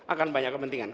akan banyak kepentingan